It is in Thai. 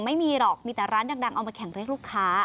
ไม่มีหรอกมีแต่ร้านดังเอามาแข่งเรียกลูกค้า